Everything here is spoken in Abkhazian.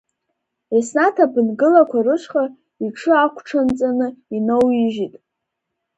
Еснаҭ аԥынгылақәа рышҟа иҽы агәҽанҵаны иноуижьит.